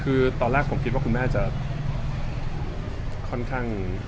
คือตอนแรกผมคิดว่าคุณแม่จะค่อนข้าง